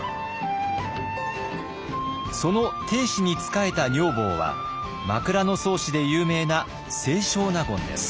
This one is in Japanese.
その定子に仕えた女房は「枕草子」で有名な清少納言です。